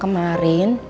kemarin dari apartemen itu